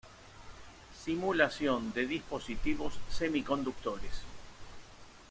Simulación de dispositivos semiconductores.